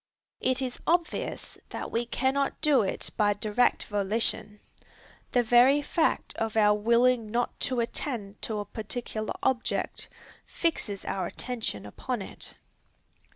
It is obvious that we cannot do it by direct volition. The very fact of our willing not to attend to a particular object, fixes our attention upon it.